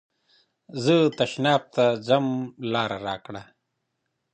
زه تشناب ته ځم لاره راکړه.